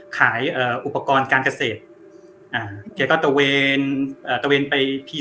เอ่ออุปกรณ์การเกษตรอ่าแกก็ตะเวนเอ่อตะเวนไปพี